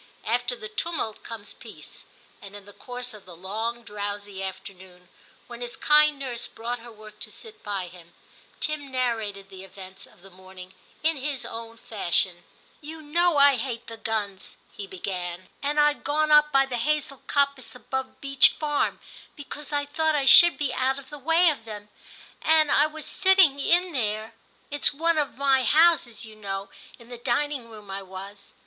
After the tumult comes peace, and in the course of the long, drowsy afternoon, when his kind nurse brought her work to sit by him, Tim narrated the events of the morning in his own fashion. *You know I hate the guns/ he began, * and I *d gone up by the hazel coppice above Beech Farm, because I thought I should be out of the way of them, and I was sitting in there ; it s one of my houses, you know, — in the dining room I was.